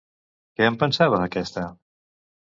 Què en pensava, aquesta?